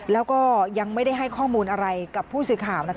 แล้วก็ยังไม่ได้ให้ข้อมูลอะไรกับผู้สื่อข่าว